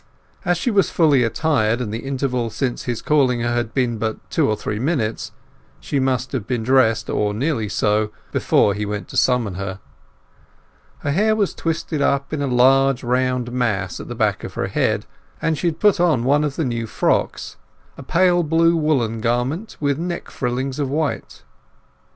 As she was fully attired, and the interval since his calling her had been but two or three minutes, she must have been dressed or nearly so before he went to summon her. Her hair was twisted up in a large round mass at the back of her head, and she had put on one of the new frocks—a pale blue woollen garment with neck frillings of white.